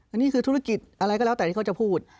อันนี้คือธุรกิจอะไรก็แล้วแต่ที่เขาจะพูด